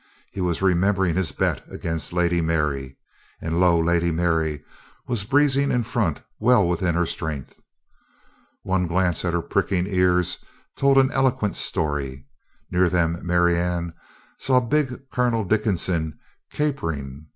He was remembering his bet against Lady Mary, and lo, Lady Mary was breezing in front well within her strength. One glance at her pricking ears told an eloquent story. Near them Marianne saw big Colonel Dickinson capering.